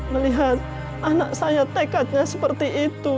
melihat anak saya tekadnya seperti itu